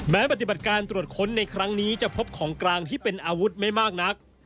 ปฏิบัติการตรวจค้นในครั้งนี้จะพบของกลางที่เป็นอาวุธไม่มากนัก